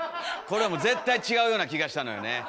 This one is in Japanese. これはもう絶対違うような気がしたのよね。